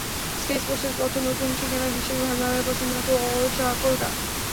Sky স্পোর্টসের তথ্য, নতুন ঠিকানা হিসেবে ভারম্যালেনের পছন্দ নাকি ওল্ড ট্রাফোর্ড।